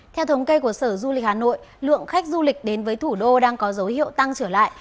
theo thống kê của sở du lịch hà nội lượng khách du lịch đến với thủ đô đang có dấu hiệu tăng trở lại